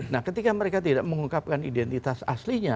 nah ketika mereka tidak mengungkapkan identitas aslinya